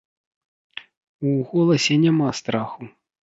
У голасе няма страху.